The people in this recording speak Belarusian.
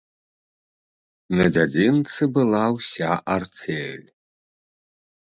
На дзядзінцы была ўся арцель.